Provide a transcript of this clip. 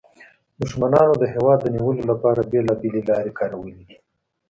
دښمنانو د هېواد د نیولو لپاره بیلابیلې لارې کارولې دي